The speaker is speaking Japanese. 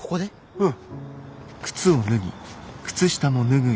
うん。